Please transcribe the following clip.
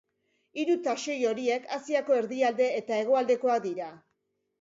Hiru taxoi horiek Asiako erdialde eta hegoaldekoak dira.